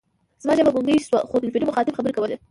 زما ژبه ګونګۍ شوه، خو تلیفوني مخاطب خبرې کولې.